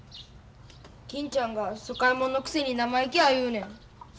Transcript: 金ちゃんが疎開もんのくせに生意気や言うねん。